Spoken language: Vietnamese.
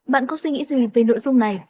bạn có suy nghĩ gì về nội dung này